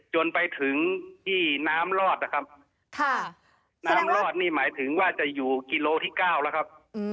จนไปถึงที่น้ำรอดนะครับน้ำรอดนี่หมายถึงว่าจะอยู่กิโลที่๙แล้วครับ